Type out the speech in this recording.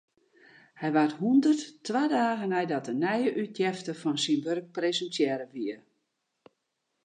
Hy waard hûndert, twa dagen neidat in nije útjefte fan syn wurk presintearre wie.